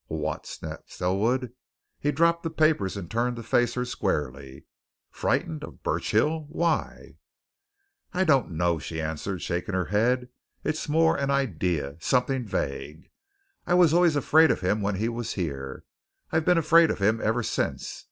"What!" snapped Selwood. He dropped the papers and turned to face her squarely. "Frightened of Burchill? Why?" "I don't know," she answered, shaking her head. "It's more an idea something vague. I was always afraid of him when he was here I've been afraid of him ever since.